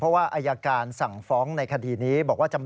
เพราะว่าอายการสั่งฟ้องในคดีนี้